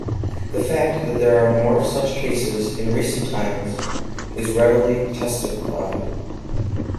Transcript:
The fact that there are more such cases in recent times is reliably testified.